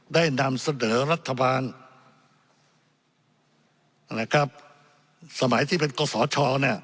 ได้นำเสดอรัฐบาลสมัยที่เป็นกษช